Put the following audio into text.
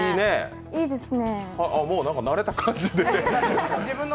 もう慣れた感じで。